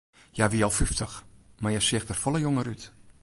Hja wie al fyftich, mar hja seach der folle jonger út.